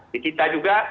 di kita juga